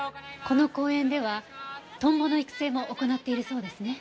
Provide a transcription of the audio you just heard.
この公園ではトンボの育成も行っているそうですね。